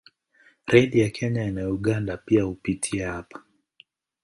Reli ya Kenya na Uganda pia hupitia hapa.